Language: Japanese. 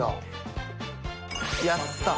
やった！